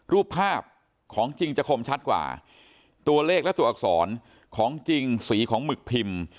รูปภาพของจริงจะคมชัดกว่าตัวเลขและตัวอักษรของจริงสีของหมึกพิมพ์